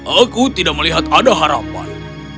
aku tidak melihat ada harapan